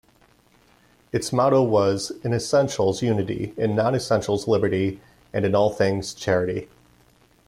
Its motto was In essentials, unity; in non-essentials, liberty; and in all things, charity.